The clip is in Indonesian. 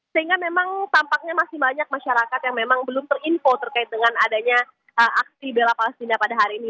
sehingga memang tampaknya masih banyak masyarakat yang memang belum terinfo terkait dengan adanya aksi bela palestina pada hari ini